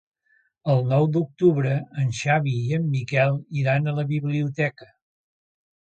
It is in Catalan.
El nou d'octubre en Xavi i en Miquel iran a la biblioteca.